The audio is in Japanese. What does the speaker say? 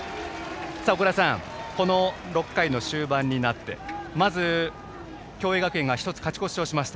小倉さん、６回の終盤になってまず、共栄学園が１つ勝ち越しをしました。